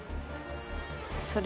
それ？